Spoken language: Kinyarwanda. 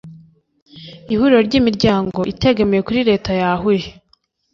Ihuriro ry Imiryango itegamiye kuri leta yahuye